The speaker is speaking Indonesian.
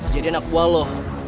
jadi anak buah lu